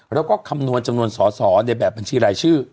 แล้วก็คำนวณจำนวนสอสอในแบบบัญชีรายชื่อ